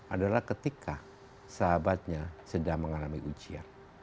adalah ketika sahabatnya sedang mengalami ujian